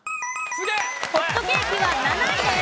ホットケーキは７位です。